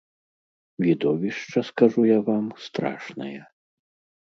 Відовішча, скажу я вам, страшнае.